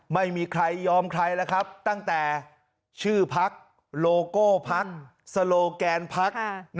ไม่มีใครยอมใครแล้วครับตั้งแต่ชื่อพักโลโก้พักสโลแกนพัก